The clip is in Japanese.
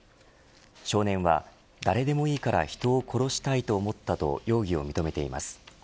少年は、誰でもいいから人を殺したいと思ったと容疑を認めています。